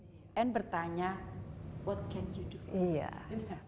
jadi apa yang bisa kamu lakukan